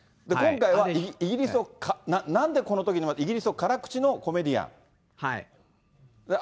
今回はイギリスも、なんでこのときのイギリスに辛口のコメディアン。